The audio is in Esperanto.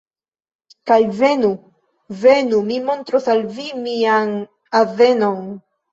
Kaj venu. Venu. Mi montros al vi mian azenon.